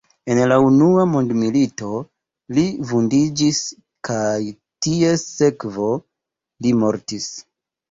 En la unua mondmilito li vundiĝis kaj ties sekvo li mortis.